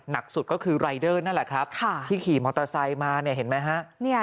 หนักสุดก็คือรายเดอร์นั่นแหละครับที่ขี่มอเตอร์ไซค์มาเนี่ยเห็นไหมฮะ